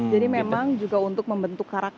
jadi memang juga untuk membentuk karakter